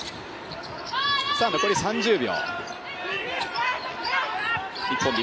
残り３０秒。